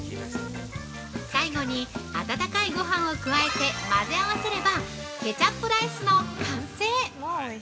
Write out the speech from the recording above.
◆最後に、温かいごはんを加えて、混ぜ合わせればケチャップライスの完成！